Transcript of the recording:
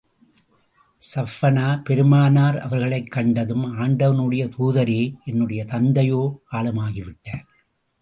ஸஃப்பானா பெருமானார் அவர்களைக் கண்டதும், ஆண்டவனுடைய தூதரே, என்னுடைய தந்தையோ காலமாகி விட்டார்.